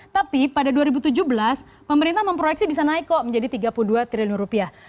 tapi pada dua ribu tujuh belas pemerintah memproyeksi bisa naik kok menjadi tiga puluh dua triliun rupiah